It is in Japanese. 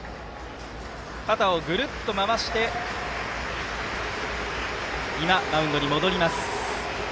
肩をグルッと回してマウンドに戻ります。